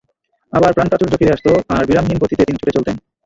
আবার প্রাণপ্রাচুর্য ফিরে আসত আর বিরামহীন গতিতে তিনি ছুটে চলতেন।